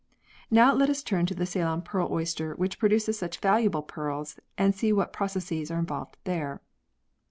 Now let us turn to the Ceylon pearl oyster which produces such valuable pearls and see what processes are involved there.